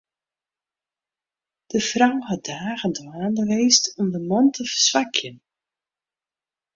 De frou hat dagen dwaande west om de man te ferswakjen.